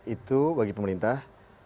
itu bagi pemerintah